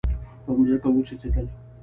پر مځکه وڅڅیدل